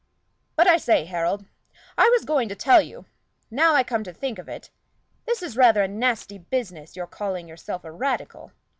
But I say, Harold, I was going to tell you, now I come to think of it, this is rather a nasty business, your calling yourself a Radical.